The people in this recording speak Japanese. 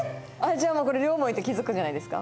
じゃあもうこれ両思いって気づくんじゃないですか？